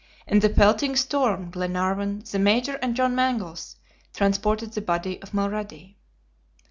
In the pelting storm, Glenarvan, the Major and John Mangles transported the body of Mulrady.